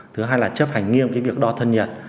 thứ hai là chấp hành nghiêm cái việc đo thân nhiệt